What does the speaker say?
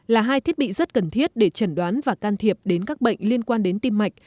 là hai thiết bị rất cần thiết để trần đoán và can thiệp đến các bệnh liên quan đến tim mạch